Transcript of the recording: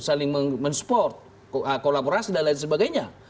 saling mensupport kolaborasi dan lain sebagainya